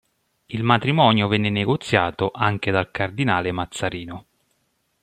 Il matrimonio venne negoziato anche dal cardinale Mazzarino.